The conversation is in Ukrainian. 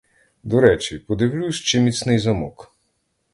До речі, подивлюсь, чи міцний замок.